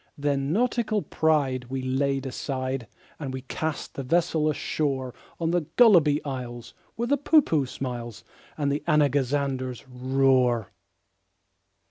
Then nautical pride we laid aside, And we cast the vessel ashore On the Gulliby Isles, where the Poohpooh smiles, And the Anagazanders roar.